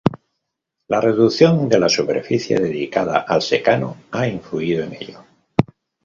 La reducción de la superficie dedicada al secano ha influido en ello.